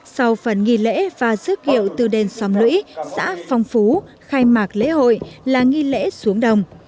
sau phần nghi lễ và rước hiệu từ đền xóm lũy xã phong phú khai mạc lễ hội là nghi lễ xuống đồng